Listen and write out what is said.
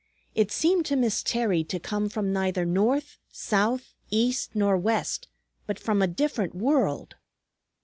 It seemed to Miss Terry to come from neither north, south, east, nor west, but from a different world.